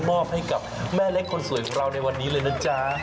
มอบให้กับแม่เล็กคนสวยของเราในวันนี้เลยนะจ๊ะ